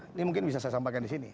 ini mungkin bisa saya sampaikan di sini